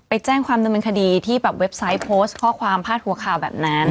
ไปแจ้งความดำเนินคดีที่แบบเว็บไซต์โพสต์ข้อความพาดหัวข่าวแบบนั้น